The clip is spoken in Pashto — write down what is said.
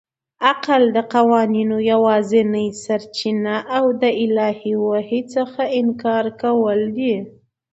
عقل د قوانینو یوازنۍ سرچینه او د الهي وحي څخه انکار کول دي.